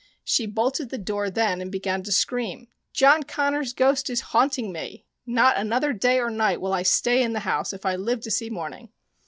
She bolted the door then and began to scream: "John Connors' ghost is haunting me ! Not another day or night will I stay in the house if I live to see morning